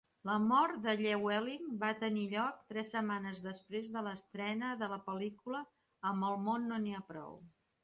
La mort de Llewelyn va tenir lloc tres setmanes després de l'estrena de la pel·lícula 'Amb el món no n'hi ha prou'.